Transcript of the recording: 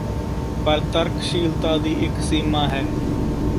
ਪਰ ਤਰਕਸ਼ੀਲਤਾ ਦੀ ਇਕ ਸੀਮਾ ਹੈ